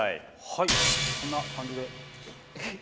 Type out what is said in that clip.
はいこんな感じです。